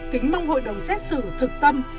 kính mong hội đồng xét xử thực tâm